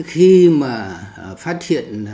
khi mà phát hiện